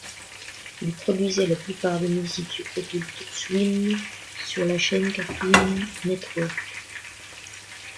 Il produisait la plupart des musiques d'Adult Swim sur la chaîne Cartoon Network.